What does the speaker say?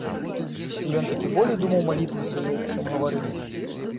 І ён такі болей думаў малітвы свае, чым гаварыў іх.